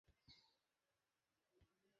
তুমি ঠিক আছো, ডার্লিং?